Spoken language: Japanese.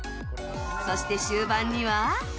そして、終盤には。